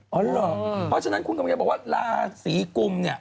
เพราะฉะนั้นคุณทำให้ออกบอกว่าหลายสีกลุ่มเนี่ย